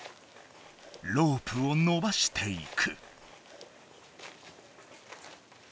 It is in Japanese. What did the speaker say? ロープをのばしていく。